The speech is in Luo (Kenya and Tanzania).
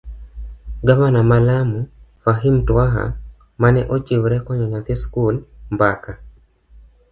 gavana ma Lamu, Fahim Twaha mane ochiwre konyo nyathi sikul. mbaka